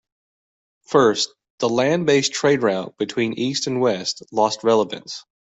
First, the land based trade route between east and west lost relevance.